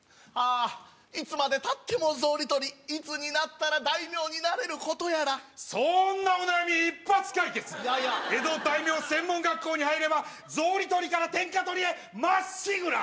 あいつまでたっても草履取りいつになったら大名になれることやらそんなお悩み一発解決やや江戸大名専門学校に入れば草履取りから天下取りへまっしぐら！